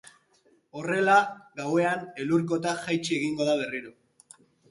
Horrela, gauean, elur-kota jaitsi egingo da berriro.